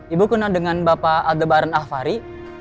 ibu kenal dengan bapak aldebaran alvari